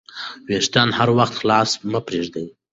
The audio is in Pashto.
وېښتان هر وخت خلاص مه پریږدئ.